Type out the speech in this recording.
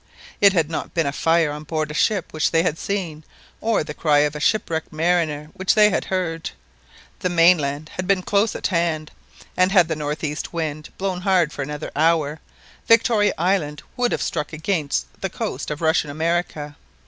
It had not been a fire on board ship which they had seen, or the cry of a shipwrecked mariner which they had heard. The mainland had been close at hand, and had the north east wind blown hard for another hour Victoria Island would have struck against the coast of Russian America.